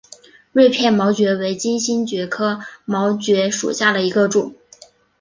锐片毛蕨为金星蕨科毛蕨属下的一个种。